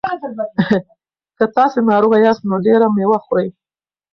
که تاسي ناروغه یاست نو ډېره مېوه خورئ.